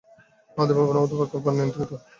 আমাদের ভাবনা, আমাদের কল্পনা নিয়ন্ত্রিত।